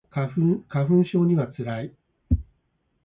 花粉症には辛い